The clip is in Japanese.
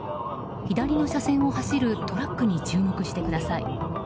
左の車線を走るトラックに注目してください。